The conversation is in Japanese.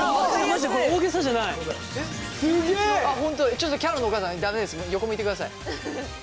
ちょっときゃのんのお母さん駄目です横向いてください。